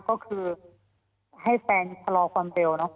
ก็คือให้แฟนชะลอความเร็วเนอะ